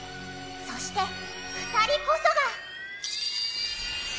そして２人こそが！